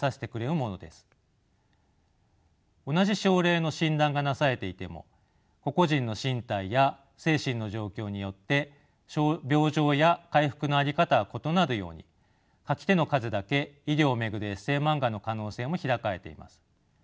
同じ症例の診断がなされていても個々人の身体や精神の状況によって病状や回復の在り方が異なるように書き手の数だけ医療を巡るエッセーマンガの可能性も開かれています。